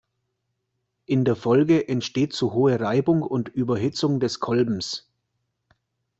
In der Folge entsteht zu hohe Reibung und Überhitzung des Kolbens.